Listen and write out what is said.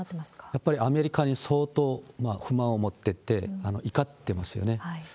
やっぱりアメリカに相当不満を持っていて、怒ってますよね。